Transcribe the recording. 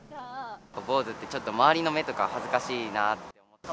坊主って、ちょっと周りの目とか恥ずかしいなとか。